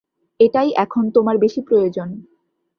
এটাই এখন তোমার বেশী প্রয়োজন।